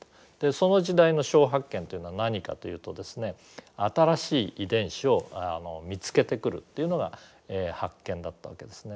その時代の小発見というのは何かというとですね新しい遺伝子を見つけてくるというのが発見だったわけですね。